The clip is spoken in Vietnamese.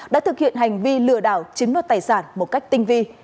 đã thực hiện hành vi lừa đảo chiếm đoạt tài sản một cách tinh vi